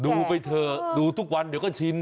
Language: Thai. ไปเถอะดูทุกวันเดี๋ยวก็ชิน